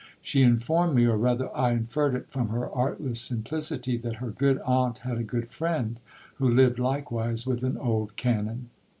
She informed me, or rather I inferred it from her artless simplicity, that her good aunt had a good friend, who lived likewise with an old canon.